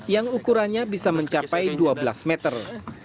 yang ukurannya bisa mencapai dua belas meter